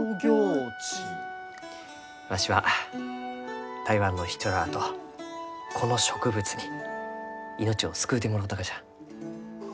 わしは台湾の人らあとこの植物に命を救うてもろうたがじゃ。